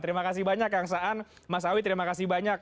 terima kasih banyak kangsaan mas awi terima kasih banyak